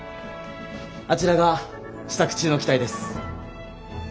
あちらが試作中の機体です。